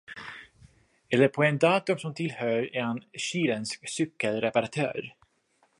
Eller på en dator som tillhör en chilensk cykelreparatör.